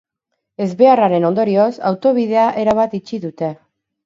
Ezbeharraren ondorioz, autobidea erabat itxi dute.